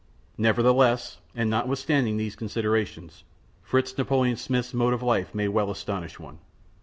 Nevertheless, and notwithstanding these considerations, Fritz Napoleon Smith's mode of life may well astonish one.